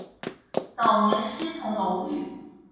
早年师从楼郁。